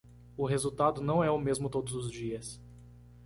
O resultado não é o mesmo todos os dias.